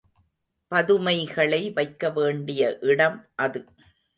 பதுமைகளை வைக்கவேண்டிய இடம் அது.